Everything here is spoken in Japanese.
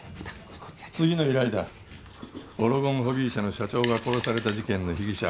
次の依頼だオロゴンホビー社の社長が殺された事件の被疑者